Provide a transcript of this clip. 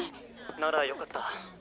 ならよかった。